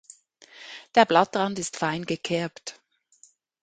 Der Blattrand ist fein gekerbt.